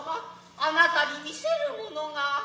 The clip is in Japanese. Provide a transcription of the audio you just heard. あなたに見せるものがある。